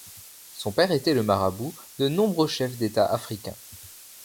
Son père était le marabout de nombreux chefs d'États africains.